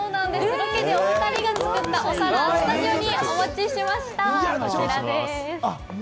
ロケでお２人が作ったお皿をスタジオにお持ちしました、こちらです。